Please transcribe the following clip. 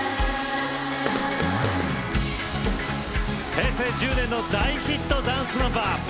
平成１０年の大ヒットダンスナンバー。